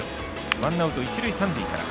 ワンアウト、一塁、三塁から。